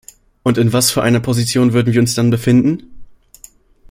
Und in was für einer Position würden wir uns dann befinden?